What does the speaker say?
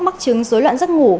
mắc chứng dối loạn giấc ngủ